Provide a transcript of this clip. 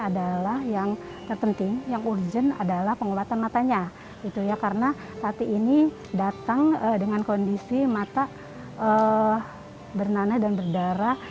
datang dengan kondisi mata bernanah dan berdarah